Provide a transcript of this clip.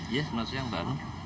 iya selamat siang mbak